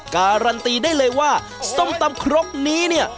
การันตีได้เลยว่าส้มตำครกนี้เนี่ย